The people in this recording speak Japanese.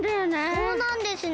そうなんですね。